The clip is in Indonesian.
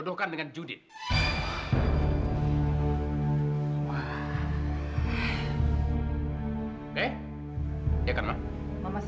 nih dia udah beres